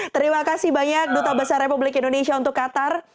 terima kasih banyak duta besar republik indonesia untuk qatar